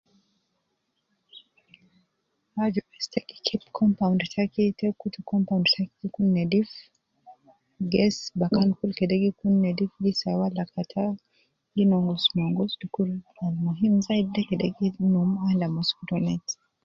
Aju bes ta gi check compound taki, te kutu compound taki gi kun nedif, gesi bakan kul kede gi kun nedif gi sawa lakata ,gi nongus nongus, al muhim zaidi de kede gi num under mosquito net